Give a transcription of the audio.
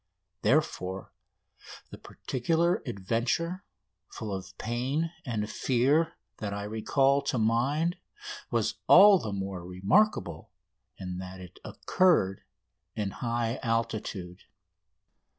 Therefore the particular adventure, full of pain and fear, that I recall to mind was all the more remarkable in that it occurred in high altitude.